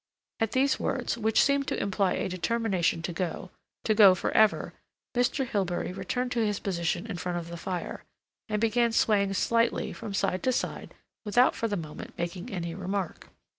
At these words, which seemed to imply a determination to go—to go for ever, Mr. Hilbery returned to his position in front of the fire, and began swaying slightly from side to side without for the moment making any remark.